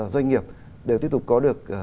doanh nghiệp đều tiếp tục có được